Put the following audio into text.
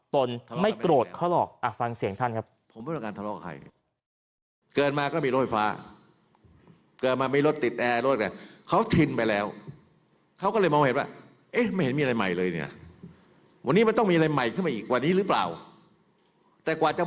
ตนไม่โกรธเขาหรอกฟังเสียงท่านครับ